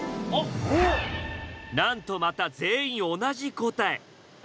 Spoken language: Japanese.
なんとまた全員同じ答え。